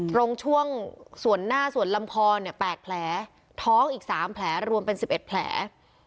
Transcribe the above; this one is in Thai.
ตรงช่วงส่วนหน้าส่วนลำคอเนี่ย๘แผลท้องอีก๓แผลรวมเป็น๑๑แผล